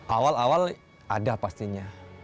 awal awal ada pastinya